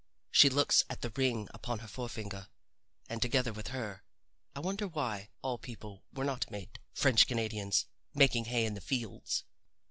She looks at the ring upon her forefinger and together with her I wonder why all people were not made French Canadians making hay in the fields.